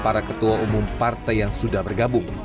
para ketua umum partai yang sudah bergabung